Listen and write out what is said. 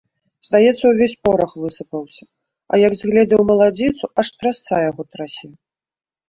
Здаецца, увесь порах высыпаўся, а як згледзеў маладзіцу, аж трасца яго трасе.